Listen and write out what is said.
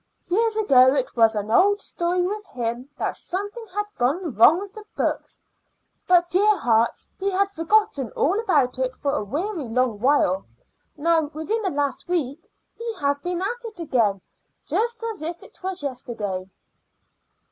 Years ago it was an old story with him that something had gone wrong with the books; but, dear hearts! he had forgotten all about it for a weary long while. Now within the last week he has been at it again, just as if 'twas yesterday."